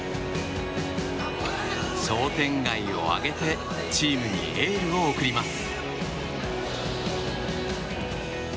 商店街を挙げてチームにエールを送ります。